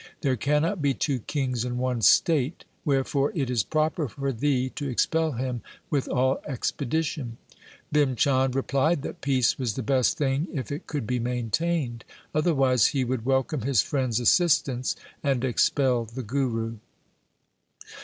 There cannot be two kings in one state. Wherefore it is proper for thee to expel him with all expedition.' Bhim Chand replied that peace was the best thing if it could be maintained; otherwise he would welcome his friend's assistance and expel the Guru.